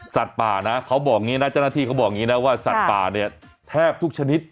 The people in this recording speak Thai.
สัตว์ป่านะเจ้าหน้าที่เขาบอกว่าสัตว์ป่าแทบทุกชนิด